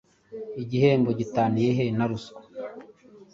Igihembo gitaniye he na ruswa?